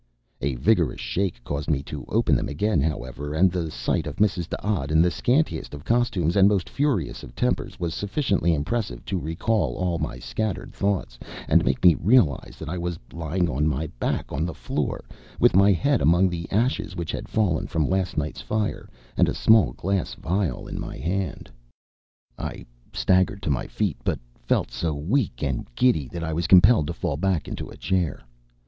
A vigorous shake caused me to open them again, however, and the sight of Mrs. D'Odd in the scantiest of costumes and most furious of tempers was sufficiently impressive to recall all my scattered thoughts, and make me realize that I was lying on my back on the floor, with my head among the ashes which had fallen from last night's fire, and a small glass phial in my hand. I staggered to my feet, but felt so weak and giddy that I was compelled to fall back into a chair.